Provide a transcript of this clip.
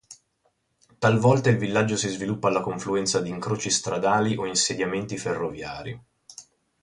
Talvolta il villaggio si sviluppa alla confluenza di incroci stradali o insediamenti ferroviari.